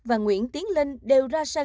và nguyễn tiến linh đều ra sân